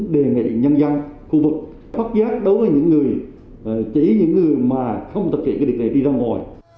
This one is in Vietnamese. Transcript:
đề nghị nhân dân khu vực phát giác đối với những người chỉ những người mà không thực hiện việc này đi ra ngoài